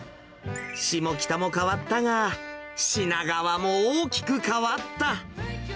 下北も変わったが、品川も大きく変わった。